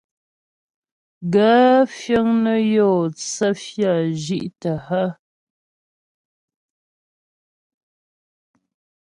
Gaə̂ fíŋ nə́ yó tsə́ fyə́ zhí'tə́ hə́ ?